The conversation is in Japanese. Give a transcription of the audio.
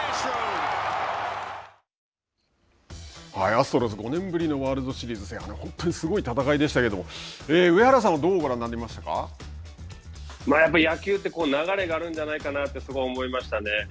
アストロズ、５年ぶりのワールドシリーズ制覇で本当にすごい戦いでしたけども、上原さんはやっぱり野球って流れがあるんじゃないかなってすごい思いましたね。